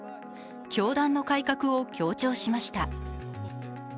教団の改革を強調しました。